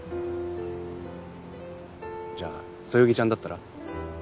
じゃあそよぎちゃんだったら？